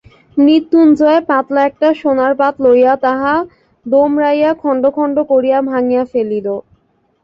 মৃত্যুঞ্জয় পাতলা একটা সোনার পাত লইয়া তাহা দোমড়াইয়া খণ্ড খণ্ড করিয়া ভাঙিয়া ফেলিল।